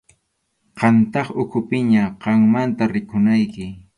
Qamtaq ukhupiña, qammanta rikunayki.